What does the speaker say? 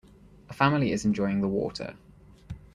A family is enjoying the water.